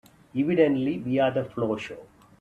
Evidently we're the floor show.